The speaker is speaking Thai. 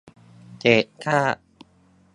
เศษซาก